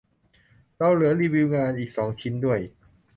เราเหลือรีวิวงานอีกสองชิ้นด้วย